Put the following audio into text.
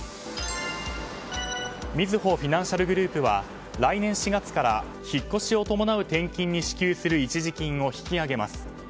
みずほフィナンシャルグループは来年４月から引っ越しを伴う転勤に支給する一時金を引き上げます。